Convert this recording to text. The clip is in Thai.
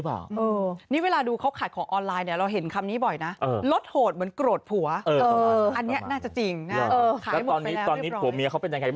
ประชดคุณสามี